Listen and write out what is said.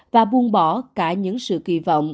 và buông bỏ cả những sự kỳ vọng